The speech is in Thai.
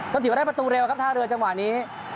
ก็ถือว่าได้ประตูเร็วครับท่าเรือจังหวะนี้